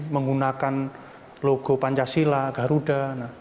menggunakan logo pancasila garuda